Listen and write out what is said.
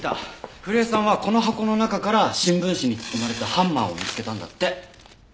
古江さんはこの箱の中から新聞紙に包まれたハンマーを見つけたんだって。